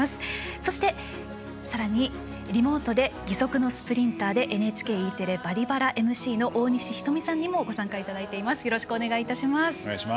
そして、さらにリモートで義足のスプリンターでＮＨＫＥテレ「バリバラ」ＭＣの大西瞳さんにもご参加いただいています。